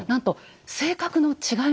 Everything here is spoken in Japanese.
あら性格の違い。